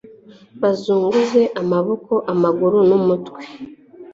bazunguze amaboko, amaguru n'umutwe